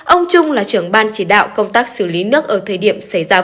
ông trung là trưởng ban chỉ đạo công tác xử lý nước ở thời điểm